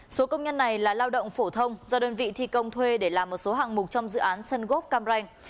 số công nhân này là lao động phổ thông do đơn vị thi công thuê để làm một số hạng mục trong dự án sân gốc cam ranh